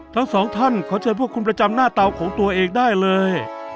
ทั้งสองท่านขอเชิญพวกคุณประจำหน้าเตาของตัวเองได้เลย